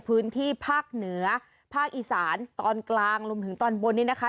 พื้นที่ภาคเหนือภาคอีสานตอนกลางรวมถึงตอนบนนี้นะคะ